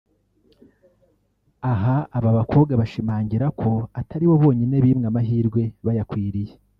Aha aba bakobwa bashimangira ko atari bo bonyine bimwe amahirwe bayakwiriye